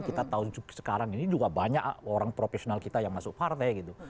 kita tahu sekarang ini juga banyak orang profesional kita yang masuk partai gitu